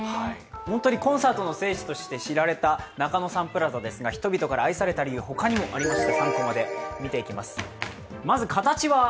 本当にコンサートの聖地として知られた中野サンプラザですが、人々から愛された理由、他にもありました。